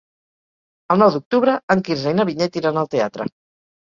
El nou d'octubre en Quirze i na Vinyet iran al teatre.